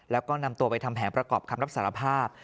แล้วก็นำตัวไปทำแผนประกอบคำรับสารภาพ